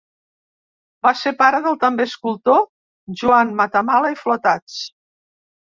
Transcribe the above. Va ser pare del també escultor Joan Matamala i Flotats.